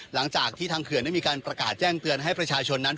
หลังจากที่ทางเขื่อนได้มีการประกาศแจ้งเตือนให้ประชาชนนั้น